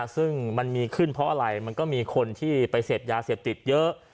ซึ่งมันมีขึ้นเพราะอะไรมันก็มีคนที่ไปเสพยาเสพติดเยอะ